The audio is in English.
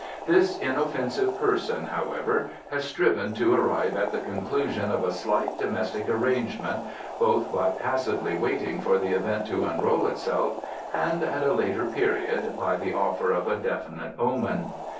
This inoffensive person, however, has striven to arrive at the conclusion of a slight domestic arrangement both by passively waiting for the event to unroll itself and, at a later period, by the offer of a definite omen.